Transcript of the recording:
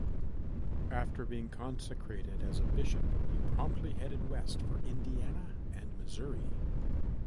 After being consecrated as a bishop he promptly headed west for Indiana and Missouri.